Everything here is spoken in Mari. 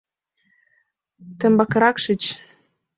— Тембакырак шич.